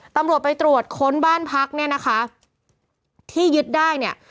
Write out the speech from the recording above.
ตำรวจไปตรวจค้นบ้านพักเนี่ยนะคะที่ยึดได้เนี่ย